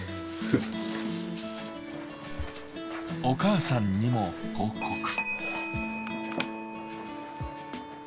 お母さんにも報告。